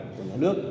của nhà nước